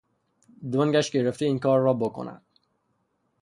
دنگش گرفته این کار را بکند.